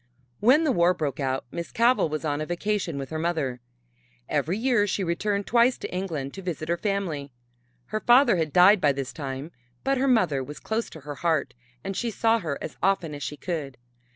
When the war broke out Miss Cavell was on a vacation with her mother. Every year she returned twice to England to visit her family. Her father had died by this time, but her mother was close to her heart and she saw her as often as she could.